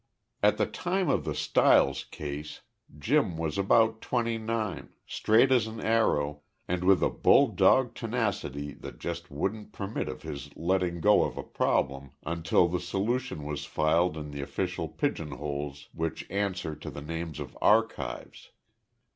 At the time of the Stiles case Jim was about twenty nine, straight as an arrow, and with a bulldog tenacity that just wouldn't permit of his letting go of a problem until the solution was filed in the official pigeonholes which answer to the names of archives.